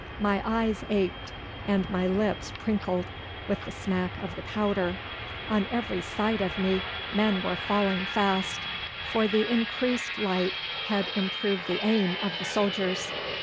My eyes ached and my lips prinkled with the smack of the powder. On every side of me men were falling fast, for the increased light had improved the aim of the soldiers.